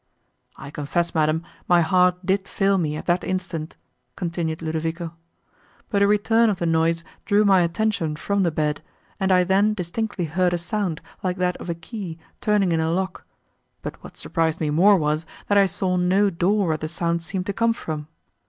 "I confess, madam, my heart did fail me, at that instant," continued Ludovico, "but a return of the noise drew my attention from the bed, and I then distinctly heard a sound, like that of a key, turning in a lock, but what surprised me more was, that I saw no door where the sound seemed to come from.